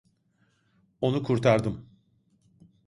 Onu kurtardım.